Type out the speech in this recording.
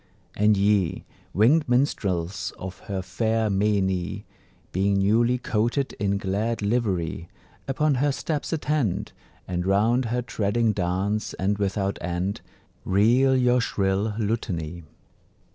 And ye, winged minstrels of her fair meinie, Being newly coated in glad livery, Upon her steps attend, And round her treading dance and without end Reel your shrill lutany.